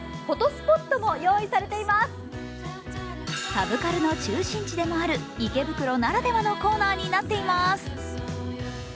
サブカルの中心地でもある池袋ならではのコーナーになっています。